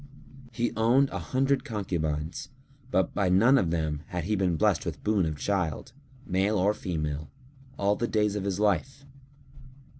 He owned an hundred concubines, but by none of them had he been blessed with boon of child, male or female, all the days of his life.